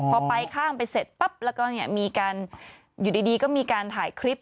พอไปข้างไปเสร็จปั๊บแล้วก็มีการอยู่ดีก็มีการถ่ายคลิป